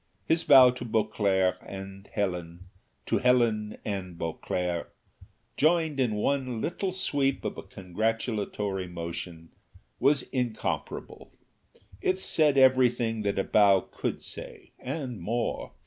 His bow to Beauclerc and Helen, to Helen and Beauclerc, joined in one little sweep of a congratulatory motion, was incomparable: it said everything that a bow could say, and more.